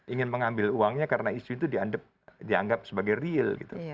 ingin mengambil uangnya karena isu itu dianggap sebagai real gitu